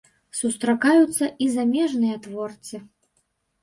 Сустракаюцца і замежныя творцы.